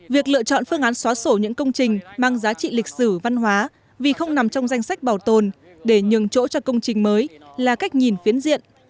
việc lựa chọn phương án xóa sổ những công trình mang giá trị lịch sử văn hóa vì không nằm trong danh sách bảo tồn để nhường chỗ cho công trình mới là cách nhìn phiến diện